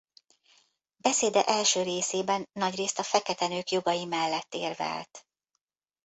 Beszéde első részében nagyrészt a fekete nők jogai mellett érvelt.